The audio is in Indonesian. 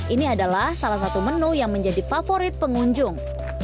ini adalah salah satu menu yang menjadi favorit pengunjung